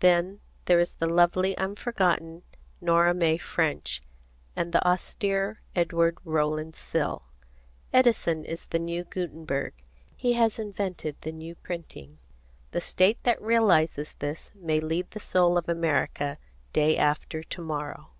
Then there is the lovely unforgotten Nora May French and the austere Edward Rowland Sill. Edison is the new Gutenberg. He has invented the new printing. The state that realizes this may lead the soul of America, day after to morrow.